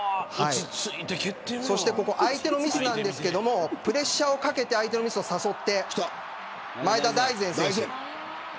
ここは相手のミスですがプレッシャーをかけて相手のミスを誘って前田大然選手。